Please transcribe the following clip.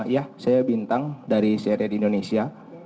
iya saya bintang dari crd indonesia